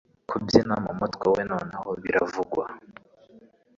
Kubyina mumutwe we Noneho biravugwa